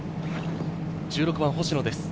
１６番、星野です。